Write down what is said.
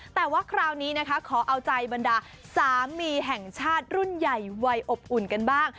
แต่ว่าคราวนี้นะคะขอเอาใจบรรดาสามีแห่งชาติรุ่นใหญ่วัยอบอุ่นกันบ้าง